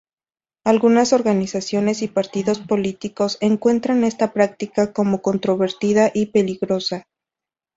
Algunas organizaciones y partidos políticos encuentran esta práctica como controvertida y peligrosa.